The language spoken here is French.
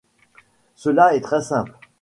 Cela est très simple.